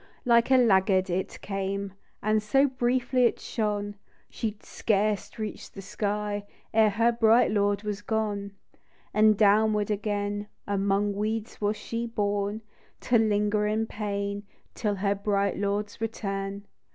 THE DEW DROP. 81 Like a laggard it came ; And so briefly it shone, She scarce reach'd the sky Ere her bright lord was gone ; And downward again Among weeds was she borne, To linger in pain Till her bright lord's return.